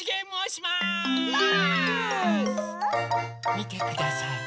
みてください。